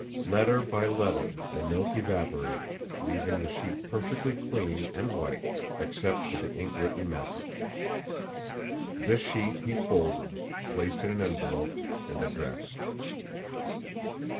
Letter by letter the milk evaporated, leaving the sheet perfectly clean and white except for the ink written message. This sheet he folded, placed in an envelope, and addressed.